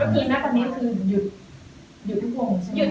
ตอนนี้คือหยุดทุกวงใช่ไหม